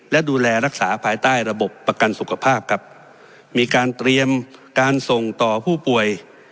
และดูแลรักษาภายใต้ระบบประกันสุขภาพครับมีการเตรียมการส่งต่อผู้ป่วย